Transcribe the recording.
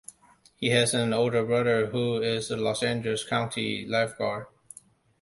He has an older brother who is a Los Angeles County Lifeguard.